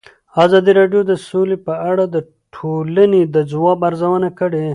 ازادي راډیو د سوله په اړه د ټولنې د ځواب ارزونه کړې.